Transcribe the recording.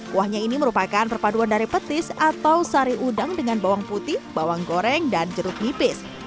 kuahnya ini merupakan perpaduan dari petis atau sari udang dengan bawang putih bawang goreng dan jeruk nipis